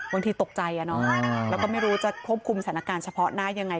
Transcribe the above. บางทีตกใจแล้วก็ไม่รู้จะควบคุมสถานการณ์เฉพาะหน้ายังไง